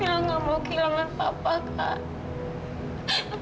ya nggak mau kehilangan papa kak